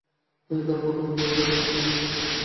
তিনি তার প্রথম বই, ভারতীয় মুদ্রা এবং অর্থ প্রকাশ করেছিলেন।